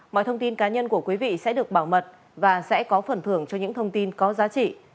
mọi thông tin cá nhân của quý vị sẽ được bảo mật và sẽ có phần thưởng cho những thông tin có giá trị